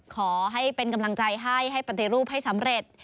ขอให้เป็นกำลังใจให้ให้ปฏิรูปให้สำเร็จ